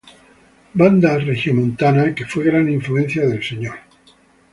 Banda regiomontana que fue gran influencia de Mr.